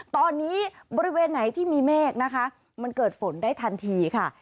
ตอนนี้บริเวณไหนที่มีเมฆนะคะมันเกิดฝนได้ทันทีค่ะ